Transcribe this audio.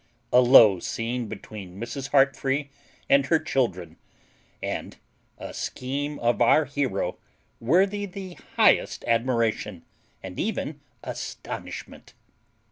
A LOW SCENE BETWEEN MRS. HEARTFREE AND HER CHILDREN, AND A SCHEME OF OUR HERO WORTHY THE HIGHEST ADMIRATION, AND EVEN ASTONISHMENT.